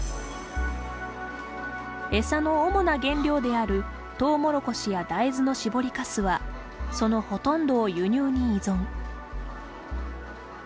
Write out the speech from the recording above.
エサの主な原料であるトウモロコシや大豆の搾りかすはそのほとんどを輸入に依存。